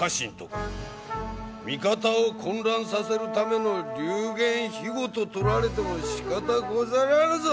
味方を混乱させるための流言飛語と取られてもしかたござらぬぞ！